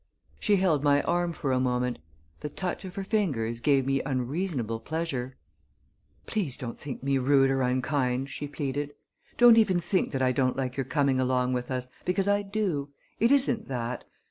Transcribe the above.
She held my arm for a moment. The touch of her fingers gave me unreasonable pleasure. "Please don't think me rude or unkind," she pleaded. "Don't even think that I don't like your coming along with us because I do. It isn't that.